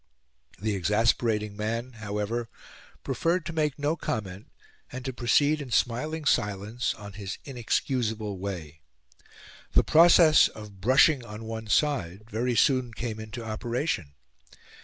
The exasperating man, however, preferred to make no comment, and to proceed in smiling silence on his inexcusable way. The process of "brushing on one side" very soon came into operation.